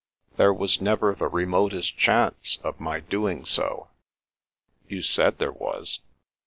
"There was never the remotest chance of my doing so." " You said there was."